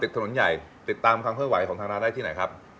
ถนนใหญ่ติดตามความเคลื่อนไหวของทางร้านได้ที่ไหนครับ